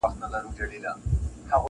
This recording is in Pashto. د بازانو له ځاليه -